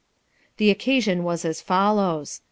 The occasion was as follows.